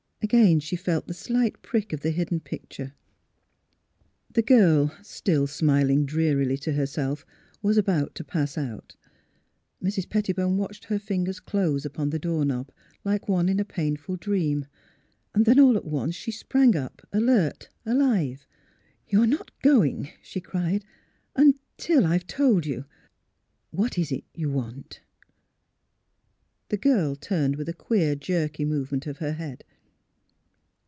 Again she felt the slight prick of the hidden picture. The girl, still smiling drearily to herself, was about to pass out. Mrs. Pettibone watched her fingers close upon the door knob, like one in a painful dream. Then all at once she sprang up, alert, alive. '' You are not going," she cried, " until I have told you. ... What is it you want? " The girl turned with a queer, jerky movement of her head.